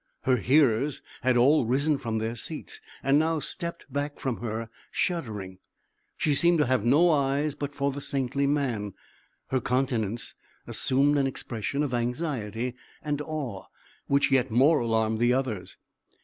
Her hearers had all risen from their seats, and now stepped back from her, shuddering. She seemed to have no eyes but for the saintly man; her countenance assumed an expression of anxiety and awe which yet more alarmed the others.